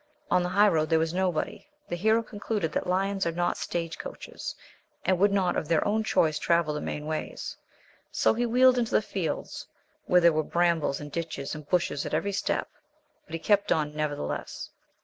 On the highroad there was nobody. The hero concluded that lions are not stage coaches, and would not of their own choice travel the main ways. So he wheeled into the fields, where there were brambles and ditches and bushes at every step, but he kept on nevertheless.